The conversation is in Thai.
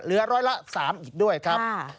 เหลือร้อยละ๓อีกด้วยครับ